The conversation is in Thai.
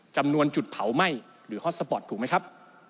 จำนวนจุดเผาไหม้หรือฮอตสปอร์ตถูกไหมครับ